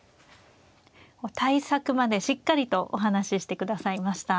対策までしっかりとお話ししてくださいました。